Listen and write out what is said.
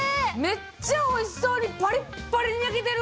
めっちゃおいしそうにパリッパリに焼けてる！